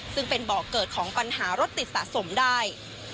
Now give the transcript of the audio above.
ซึ่งเป็นบ่อเกิดของปัญหารถติดสะสมได้